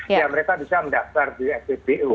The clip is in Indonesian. ya mereka bisa mendaftar di spbu